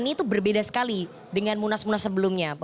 ini itu berbeda sekali dengan munas munas sebelumnya